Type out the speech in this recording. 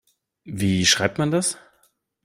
Wie schreibt man das?